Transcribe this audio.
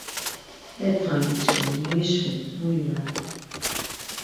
E Ťrangi çkimi memişvelit mu iven.